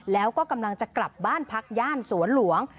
แล้วก็กำลังจะกลับบ้านพักย่านสวนหลวง